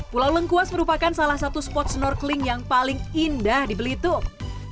pulau lengkuas merupakan salah satu spot snorkeling yang paling indah di belitung